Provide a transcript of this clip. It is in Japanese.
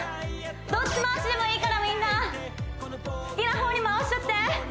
どっち回しでもいいからみんな好きな方に回しちゃって！